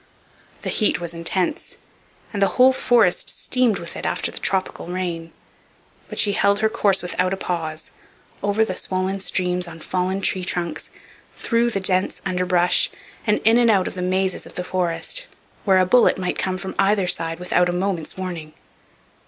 The heat was intense; and the whole forest steamed with it after the tropical rain. But she held her course without a pause, over the swollen streams on fallen tree trunks, through the dense underbrush, and in and out of the mazes of the forest, where a bullet might come from either side without a moment's warning.